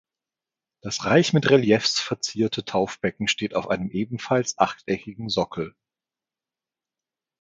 Das reich mit Reliefs verzierte Taufbecken steht auf einem ebenfalls achteckigen Sockel.